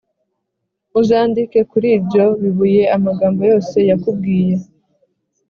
Uzandike kuri ibyo bibuye amagambo yose yakubwiye.